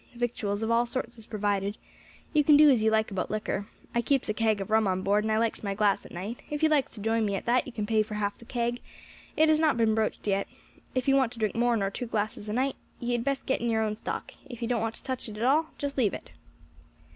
Victuals of all sorts is provided. You can do as you like about liquor. I keeps a keg of rum on board, and I likes my glass at night; if you likes to join me at that you can pay for half the keg, it has not been broached yet. If you want to drink more nor two glasses a night, ye had best get in yer own stock; if ye don't want to touch it at all, just leave it."